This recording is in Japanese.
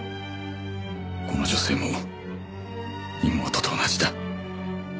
この女性も妹と同じだ。